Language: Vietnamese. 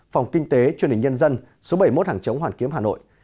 phòng kinh tế truyền hình nhân dân số bảy mươi một hàng chống hoàn kiếm hà nội